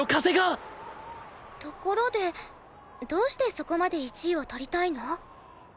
ところでどうしてそこまで１位を取りたいの？